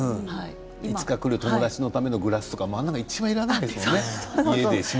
いつかくる友達のためのグラスとかはいちばんいらないですものね。